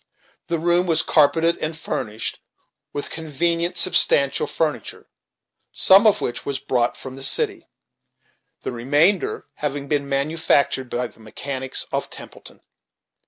The room was carpeted, and furnished with convenient, substantial furniture, some of which was brought from the city, the remainder having been manufactured by the mechanics of Templeton.